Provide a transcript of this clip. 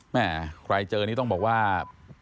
แม่ใครเจอนี่ต้องบอกว่า